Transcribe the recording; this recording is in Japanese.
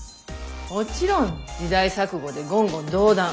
もちろん時代錯誤で言語道断。